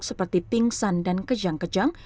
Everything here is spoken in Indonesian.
seperti pingsan dan kejang kejang